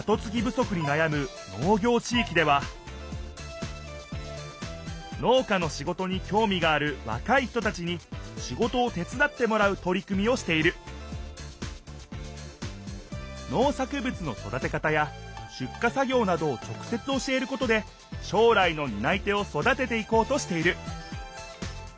足になやむ農業地いきでは農家のしごとにきょうみがあるわかい人たちにしごとを手つだってもらうとり組みをしている農作物のそだて方やしゅっか作ぎょうなどを直せつ教えることでしょう来のにない手をそだてていこうとしている。